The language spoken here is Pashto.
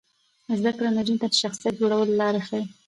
زده کړه نجونو ته د شخصیت جوړولو لارې ښيي.